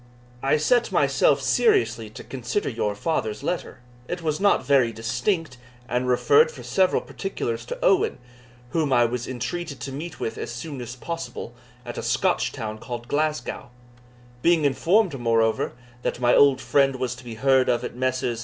I set myself seriously to consider your father's letter. It was not very distinct, and referred for several particulars to Owen, whom I was entreated to meet with as soon as possible at a Scotch town called Glasgow; being informed, moreover, that my old friend was to be heard of at Messrs.